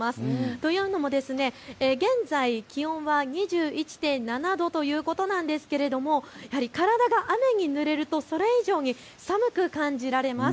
というのも現在、気温は２１．７度ということなんですがやはり体が雨にぬれるとそれ以上に寒く感じられます。